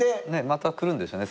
また来るんですよね？